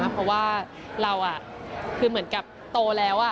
เพราะว่าเราคือเหมือนกับโตแล้ว